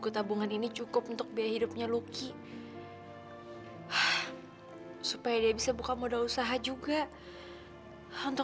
apaan hantu aku tanya apaan hantu